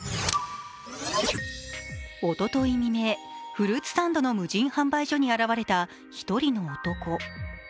おととい未明、フルーツサンドの無人販売所に現れた１人の男。